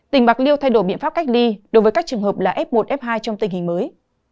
tỉnh bạc liêu thay đổi biện pháp cách ly đối với các trường hợp là f một f hai trong tình hình mới